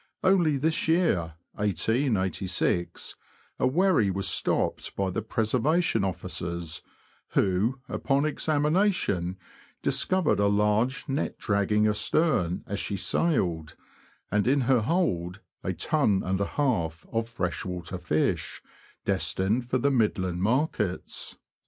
Only this year (1886) a wherry was stopped by the Preservation Officers, who, upon examination, discovered a large net dragging astern as she sailed, and in her hold a ton and a half of freshwater fish, destined for the Midland markets.